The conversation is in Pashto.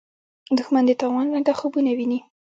دښمن د تاوان رنګه خوبونه ویني